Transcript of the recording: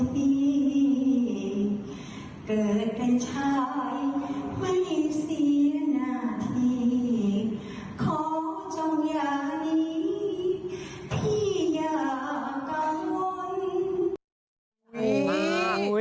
ที่เกิดเป็นชายไม่เห็นเสียหน้าที่เขาจงอยากรีบที่อยากกังวล